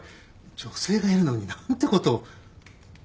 女性がいるのに何てことを。